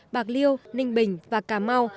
bạc liêu ninh bình và cà mau